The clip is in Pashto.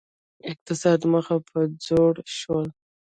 اقتصاد مخ په ځوړ شو